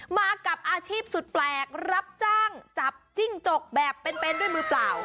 มากับอาชีพสุดแปลกรับจ้างจับจิ้งจกแบบเป็นด้วยมือเปล่า